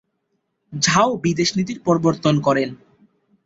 ঝাও বিদেশ নীতির প্রবর্তন করেন।